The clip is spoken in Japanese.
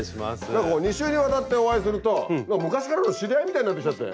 なんかこう２週にわたってお会いすると昔からの知り合いみたいになってきちゃって。